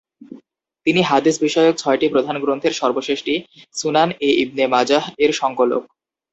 তিনি হাদিস বিষয়ক ছয়টি প্রধান গ্রন্থের সর্বশেষটি, সুনান-এ-ইবনে মাজাহ-এর সংকলক।